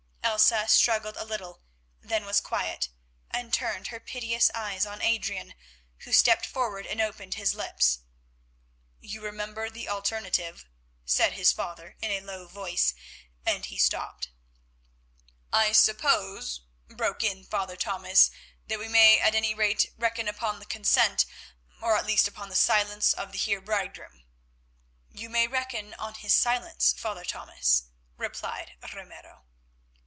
Elsa struggled a little, then was quiet, and turned her piteous eyes on Adrian, who stepped forward and opened his lips. "You remember the alternative," said his father in a low voice, and he stopped. "I suppose," broke in Father Thomas, "that we may at any rate reckon upon the consent, or at least upon the silence of the Heer bridegroom." "You may reckon on his silence, Father Thomas," replied Ramiro.